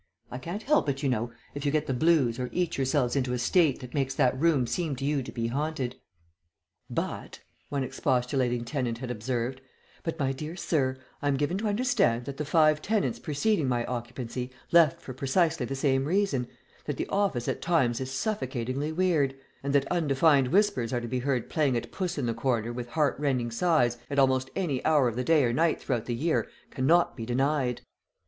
I can't help it, you know, if you get the blues or eat yourselves into a state that makes that room seem to you to be haunted." "But," one expostulating tenant had observed, "but, my dear sir, I am given to understand that the five tenants preceding my occupancy left for precisely the same reason, that the office at times is suffocatingly weird; and that undefined whispers are to be heard playing at puss in the corner with heart rending sighs at almost any hour of the day or night throughout the year, cannot be denied."